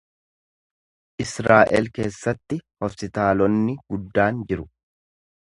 Israa’el keessatti hospitaalonni guddaan jiru.